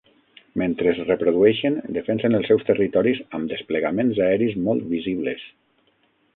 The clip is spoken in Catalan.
Mentre es reprodueixen, defensen els seus territoris amb desplegaments aeris molt visibles.